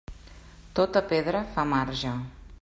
Tota pedra fa marge.